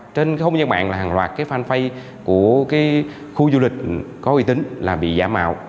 trên không gian mạng là hàng loạt cái fanpage của cái khu du lịch có uy tín là bị giả mạo